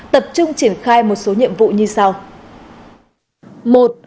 tập trung triển khai một số nhiệm vụ như sau